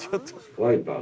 ワイパー？